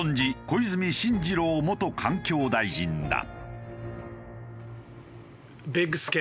小泉進次郎元環境大臣だ。